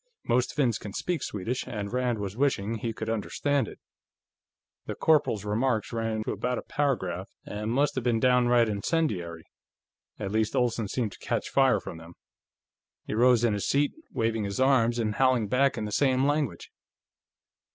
Most Finns can speak Swedish, and Rand was wishing he could understand it. The corporal's remarks ran to about a paragraph, and must have been downright incendiary. At least, Olsen seemed to catch fire from them. He rose in his seat, waving his arms and howling back in the same language.